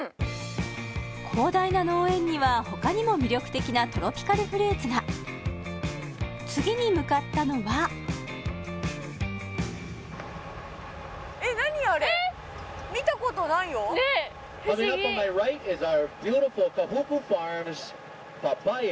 広大な農園には他にも魅力的なトロピカルフルーツが次に向かったのはねえ不思議パパイヤ！？